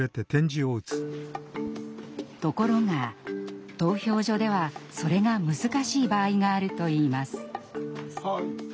ところが投票所ではそれが難しい場合があるといいます。